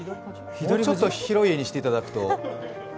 もうちょっと広い絵にしていただくと。